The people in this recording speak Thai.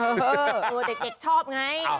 ส่วนเด็กชอบไง